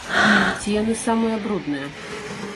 Ці яны самыя брудныя?